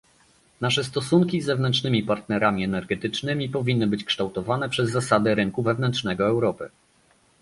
Nasze stosunki z zewnętrznymi partnerami energetycznymi powinny być kształtowane przez zasady rynku wewnętrznego Europy